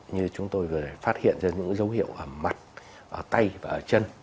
như chúng tôi vừa rồi phát hiện ra những dấu hiệu ở mặt ở tay và ở chân